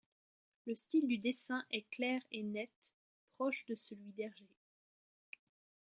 Le style du dessin est clair et net, proche de celui d'Hergé.